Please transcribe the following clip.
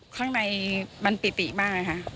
ข้างในมันปิติมากค่ะ